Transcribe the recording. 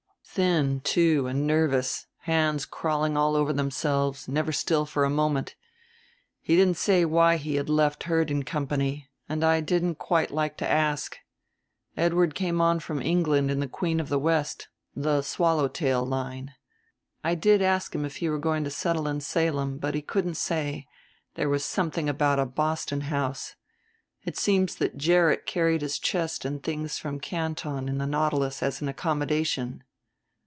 Thin, too, and nervous; hands crawling all over themselves, never still for a moment. He didn't say why he had left Heard and Company, and I didn't quite like to ask. Edward came on from England in the Queen of the West, the Swallow Tail Line. I did ask him if he were going to settle in Salem, but he couldn't say; there was something about a Boston house. It seems that Gerrit carried his chest and things from Canton in the Nautilus as an accommodation."